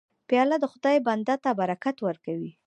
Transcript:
پیاله د خدای بنده ته برکت ورکوي.